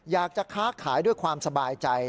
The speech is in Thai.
อยากจะค้าขายด้วยความสบายใจ